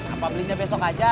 apa belinya besok aja